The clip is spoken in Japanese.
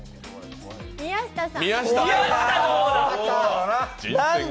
宮下さん。